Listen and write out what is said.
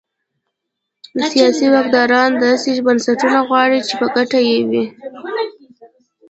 سیاسي واکداران داسې بنسټونه غواړي چې په ګټه یې وي.